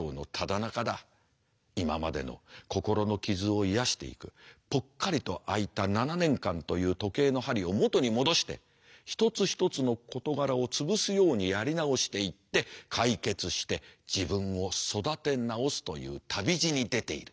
今までの心の傷を癒やしていくぽっかりと空いた７年間という時計の針を元に戻して一つ一つの事柄を潰すようにやり直していって解決して自分を育て直すという旅路に出ている。